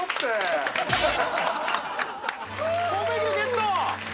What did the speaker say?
神戸牛ゲット！